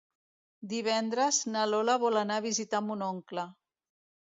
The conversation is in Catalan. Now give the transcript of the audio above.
Divendres na Lola vol anar a visitar mon oncle.